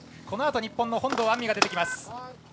このあと日本の本堂杏実が出てきます。